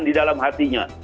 di dalam hatinya